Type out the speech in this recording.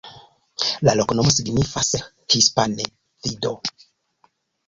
La loknomo signifas hispane: vido.